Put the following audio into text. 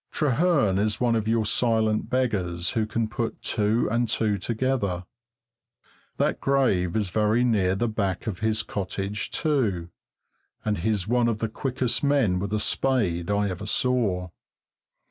Trehearn is one of your silent beggars who can put two and two together. That grave is very near the back of his cottage, too, and he's one of the quickest men with a spade I ever saw.